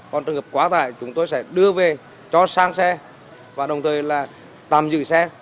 còn trường hợp quá tải chúng tôi sẽ đưa về cho sang xe và đồng thời là tạm giữ xe